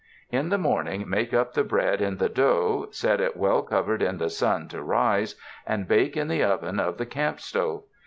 In the morning make up the bread in the dough, set it well covered in the sun to rise, and bake in the oven of the camp stove.